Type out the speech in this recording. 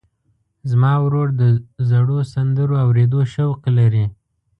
زما ورور د زړو سندرو اورېدو شوق لري.